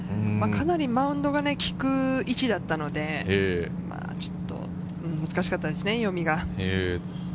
かなりマウンドが効く位置だったので、ちょっと難しかったですね、読みが。